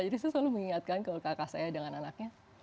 jadi saya selalu mengingatkan kalau kakak saya dengan anaknya